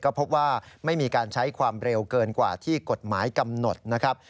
ก็พบว่าไม่มีการใช้ความเร็วเกินกว่าที่กฎหมายกำหนดนะครับ